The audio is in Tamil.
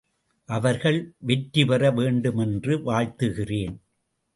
அவர்கள் வெற்றி பெற வேண்டுமென்று வாழ்த்துகிறேன்.